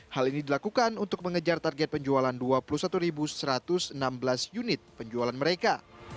hal ini dilakukan untuk mengejar target penjualan dua puluh satu satu ratus enam belas unit penjualan mereka